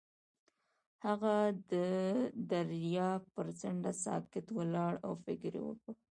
هغه د دریاب پر څنډه ساکت ولاړ او فکر وکړ.